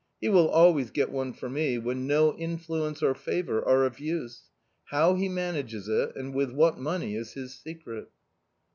He will always get one for me, when no influence or favour are of use. How he manages it, and with what money, is his secret."